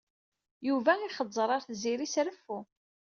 Yuba ixezzeṛ ar Tiziri s reffu.